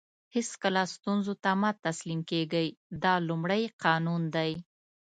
هیڅکله ستونزو ته مه تسلیم کېږئ دا لومړی قانون دی.